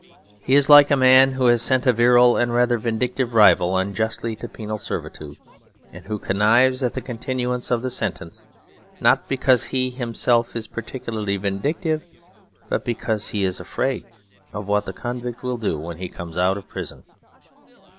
He is like a man who has sent a virile and rather vindictive rival unjustly to penal servitude; and who connives at the continuance of the sentence, not because he himself is particularly vindictive, but because he is afraid of what the convict will do when he comes out of prison.